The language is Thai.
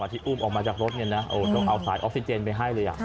ที่อุ้มออกมาจากรถต้องเอาสายออกซิเจนไปให้เลย